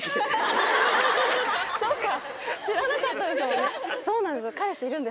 そっか。